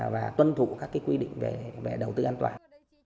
và tuân thủ các quy định về đầu tư an toàn